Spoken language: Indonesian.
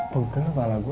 pegel kepala gue